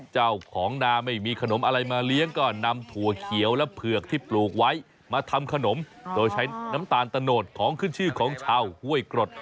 เจ้าของนาไม่มีขนมอะไรมาเลี้ยงก็นำถั่วเขียวและเผือกที่ปลูกไว้มาทำขนมโดยใช้น้ำตาลตะโนดของขึ้นชื่อของชาวห้วยกรด